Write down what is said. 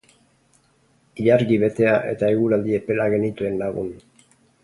Ilargi betea eta eguraldi epela genituen lagun.